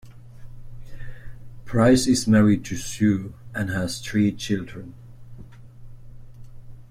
Price is married to Sue and has three children.